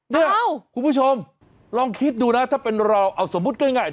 เนี่ยคุณผู้ชมลองคิดดูนะถ้าเป็นเราเอาสมมุติง่าย